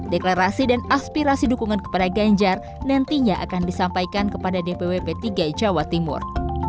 deklarasi dan aspirasi dukungan kepada ganjar nantinya akan disampaikan kepada dpw p tiga jawa timur